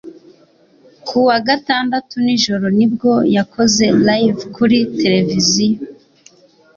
Kuwa gatandatu nijoro nibwo yakoze Live kuri television